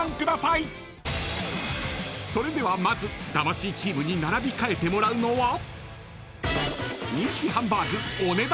［それではまず魂チームに並び替えてもらうのは］